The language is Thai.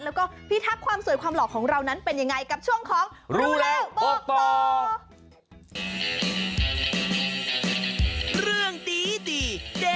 แล้วก็พี่ทักความสวยความหล่อของเรานั้นเป็นยังไง